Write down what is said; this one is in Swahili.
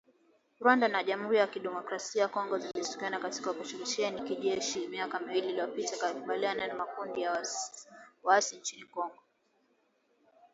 Rwanda na Jamuhuri ya kidemokrasia ya Kongo zilishirikiana katika oparesheni ya kijeshi miaka miwili iliyopita katika kukabiliana na makundi ya waasi nchini Kongo